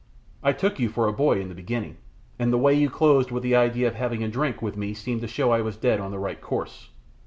I took you for a boy in the beginning, and the way you closed with the idea of having a drink with me seemed to show I was dead on the right course.